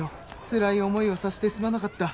つらい思いをさせてすまなかった。